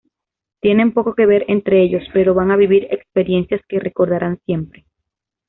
Tienen poco que ver entre ellos, pero van a vivir experiencias que recordarán siempre.